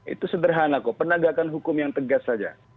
itu sederhana kok penegakan hukum yang tegas saja